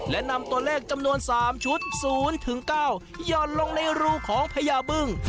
และนำตัวเลขจำนวนสามชุดศูนย์ถึงเก้ายอดลงในรูของพญาเบิ้ง